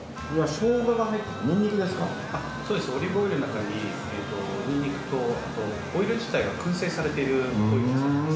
そうですオリーブオイルの中にニンニクとオイル自体がくん製されているオイルを使ってます。